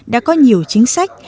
đã có nhiều chính sách